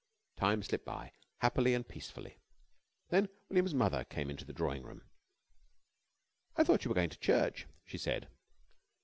Time slipped by happily and peacefully. Then William's mother came into the drawing room. "I thought you were going to church," she said.